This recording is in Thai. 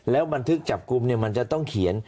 แล้วบันทึกจับกลุ่มมันจะต้องเขียน